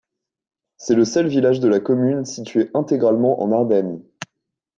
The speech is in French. C'est le seul village de la commune situé intégralement en Ardenne.